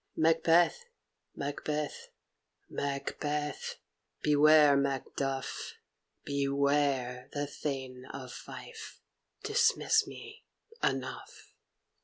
"Macbeth! Macbeth! Macbeth! beware Macduff; Beware the Thane of Fife! Dismiss me. Enough."